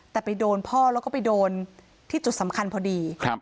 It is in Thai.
แต่ไปโดนพ่อแล้วก็ไปโดนที่จุดสำคัญพอดี